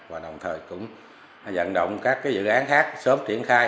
và đồng thời cũng dẫn động các dự án khác sớm triển khai